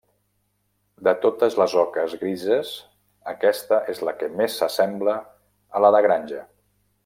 De totes les oques grises, aquesta és la que més s'assembla a la de granja.